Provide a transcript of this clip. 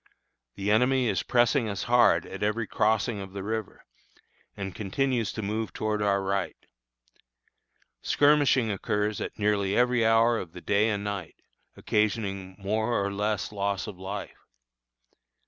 The enemy is pressing us hard at every crossing of the river, and continues to move towards our right. Skirmishing occurs at nearly every hour of the day and night, occasioning more or less loss of life.